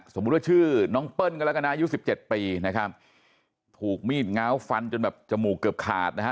สมมุติว่าชื่อน้องเปิ้ลก็แล้วกันนะอายุสิบเจ็ดปีนะครับถูกมีดง้าวฟันจนแบบจมูกเกือบขาดนะฮะ